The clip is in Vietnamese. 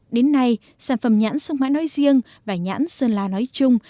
đến nay sản phẩm nhãn sông mã nói riêng và nhãn sơn la nói chung